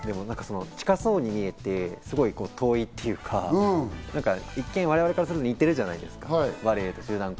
近そうに見えて遠いっていうか、一見、我々からすると、似てるじゃないですか。